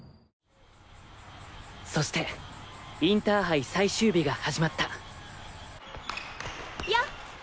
そしてインターハイ最終日が始まったよっ！